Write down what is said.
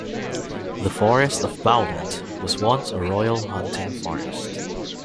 The Forest of Bowland was once a royal hunting forest.